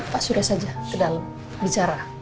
pak surya saja ke dalam bicara